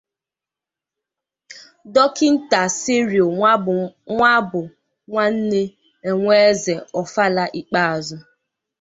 Dọkịta Cyril Nwabunwanne Enweze Ọfala ikpeazụ.